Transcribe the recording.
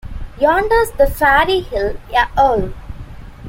Yonder's the Fairy Hill a' alowe.